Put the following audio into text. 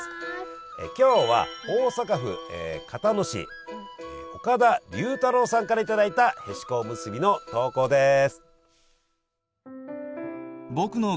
今日は大阪府交野市岡田龍太郎さんから頂いたへしこおむすびの投稿です。